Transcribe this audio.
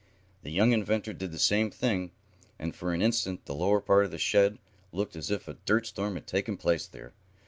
The young inventor did the same thing, and for an instant the lower part of the shed looked as if a dirtstorm had taken place there.